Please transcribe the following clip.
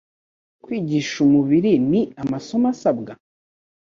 Kwigisha umubiri ni amasomo asabwa?